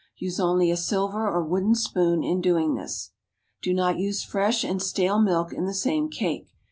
Use only a silver or wooden spoon in doing this. Do not use fresh and stale milk in the same cake.